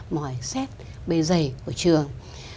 mọi xét bề dày của trường